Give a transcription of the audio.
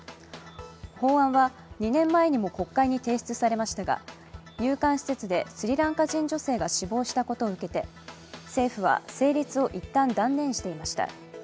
法案は２年前にも国会に提出されましたが、入管施設でスリランカ人女性が死亡したことを受けて政府は成立を一旦断念していました。